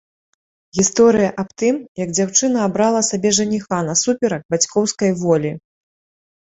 Гісторыя аб тым, як дзяўчына абрала сабе жаніха насуперак бацькоўскай волі.